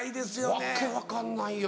訳分かんないよ